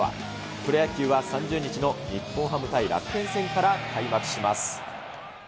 プロ野球は３０日の日本ハム対楽天戦から開幕します。